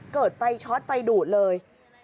เกิดไฟช็อตไฟดูดเลย